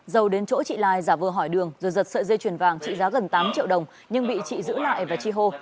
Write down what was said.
dầu đến chỗ chị lai giả vờ hỏi đường rồi giật sợi dây chuyền vàng trị giá gần tám triệu đồng nhưng bị chị giữ lại và chi hô